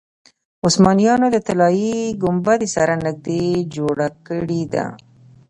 عثمانیانو د طلایي ګنبدې سره نږدې جوړه کړې ده.